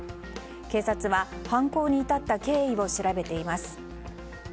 警察は犯行に至った経緯を調べています。